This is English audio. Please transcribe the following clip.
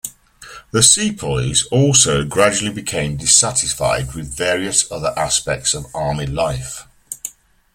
The sepoys also gradually became dissatisfied with various other aspects of army life.